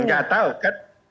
enggak tahu kan